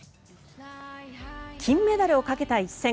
金メダルをかけた一戦。